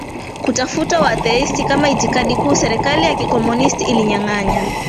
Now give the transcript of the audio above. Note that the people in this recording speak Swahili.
kufuata uatheisti kama itikadi kuu Serikali ya kikomunisti ilinyanganya